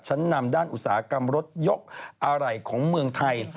ชั้นนำด้านอุตสาหกรรมรถยกอะไรของเมืองไทย